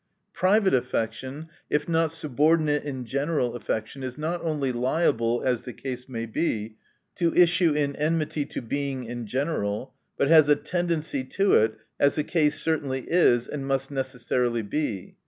Private affection, if not subordinate to general affection, is not only liable, as the case may be, to issue in enmity to Being in general, but has a. tendency to it as the case certainly is, and must necessarily be.